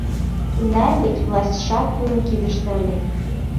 Тунам вет властьшат нунын кидыште ыле.